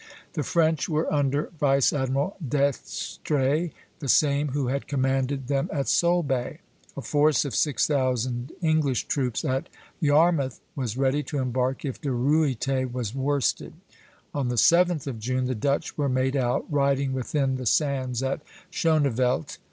The French were under Vice Admiral d'Estrées, the same who had commanded them at Solebay. A force of six thousand English troops at Yarmouth was ready to embark if De Ruyter was worsted. On the 7th of June the Dutch were made out, riding within the sands at Schoneveldt.